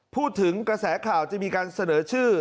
พูดถึงกระแสข่าวจะมีการเสนอชื่อ